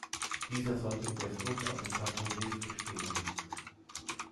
Dieser sollte in der Flucht aus dem Château d’If bestehen.